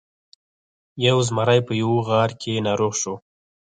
یو زمری په یوه غار کې ناروغ شو.